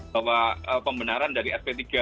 bahwa pembenaran dari sp tiga